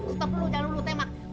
bos stop dulu jangan dulu tembak